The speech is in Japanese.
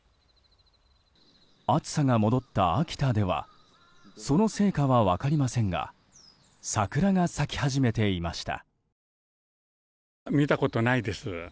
暑さが戻った秋田ではそのせいかは分かりませんが桜が咲き始めていました。